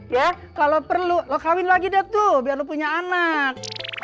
ya kalau perlu lo kawin lagi deh tuh biar lo punya anak